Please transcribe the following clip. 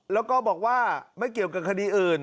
แล้วก็บอกว่าไม่เกี่ยวกับคดีอื่น